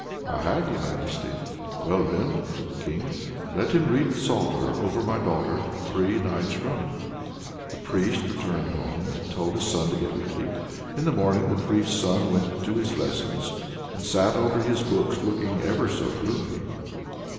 "I have, your majesty." "Well then," said the King, "let him read the psalter over my daughter three nights running." The priest returned home, and told his son to get ready. In the morning the priest's son went to his lessons, and sat over his book looking ever so gloomy.